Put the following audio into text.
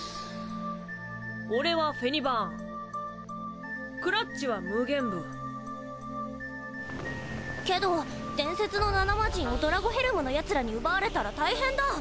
俺はフェニバーンクラっちはムゲンブけど伝説の７マジンをドラゴヘルムのヤツらに奪われたら大変だ！